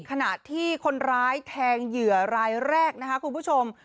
ขณะที่คนร้ายแทงเหยื่อรายแรกนะคะคุณผู้ชม